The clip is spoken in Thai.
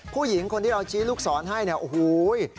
ผู้หญิงคนที่เราชี้ลูกศรให้อู้หูย